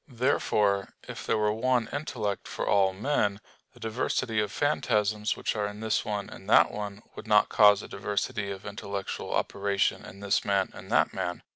Therefore, if there were one intellect for all men, the diversity of phantasms which are in this one and that one would not cause a diversity of intellectual operation in this man and that man.